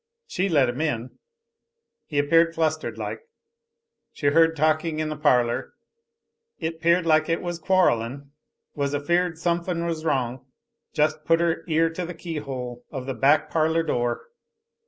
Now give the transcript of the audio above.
She let him in. He appeared flustered like. She heard talking in the parlor, 'peared like it was quarrelin'. Was afeared sumfin' was wrong: Just put her ear to the keyhole of the back parlor door.